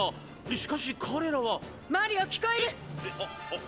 しかし彼らは」。マリオ聞こえる⁉「えあああれ？